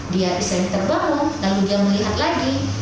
dia bisa terbangun lalu dia melihat lagi